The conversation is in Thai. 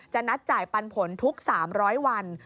นัดจ่ายปันผลทุก๓๐๐วัน